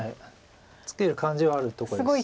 ツケる感じはあるとこです。